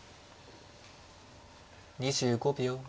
２５秒。